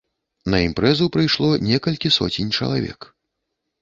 На імпрэзу прыйшло некалькі соцень чалавек.